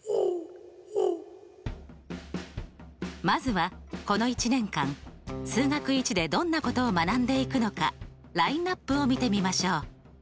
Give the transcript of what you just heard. まずはこの一年間数学Ⅰでどんなことを学んでいくのかラインナップを見てみましょう。